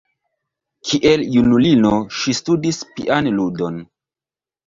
Kiel junulino ŝi studis pianludon.